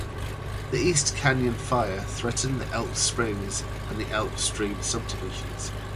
The East Canyon Fire threatened the Elk Springs and Elk Stream subdivisions.